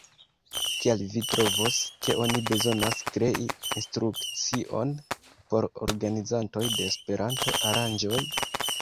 Kial vi trovis, ke oni bezonas krei instrukcion por organizantoj de Esperanto-aranĝoj?